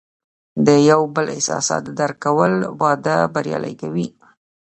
د یو بل احساسات درک کول، واده بریالی کوي.